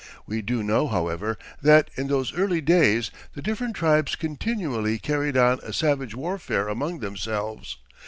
We do know, however, that, in those early days, the different tribes continually carried on a savage warfare among themselves.